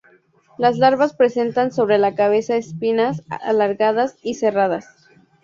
Las larvas presentan sobre la cabeza espinas alargadas y serradas.